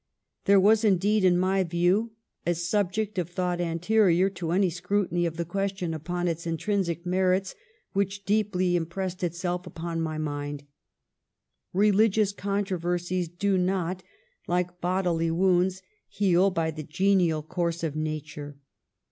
There was, indeed, in my view, a subject of thought anterior to any scrutiny of the question upon its intrinsic merits which deeply impressed itself upon my mind. Religious controversies do not, like bodily wounds, heal by the genial course of nature.